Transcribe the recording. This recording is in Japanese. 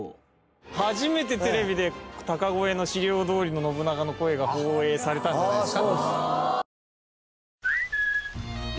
初めてテレビで高声の史料どおりの信長の声が放映されたんじゃないですか？